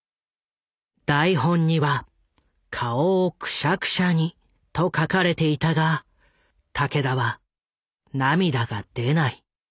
台本には「顔をくしゃくしゃに」と書かれていたが武田は涙が出ない。